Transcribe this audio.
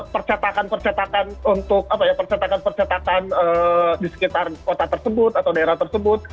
percetakan percetakan untuk percetakan percetakan di sekitar kota tersebut atau daerah tersebut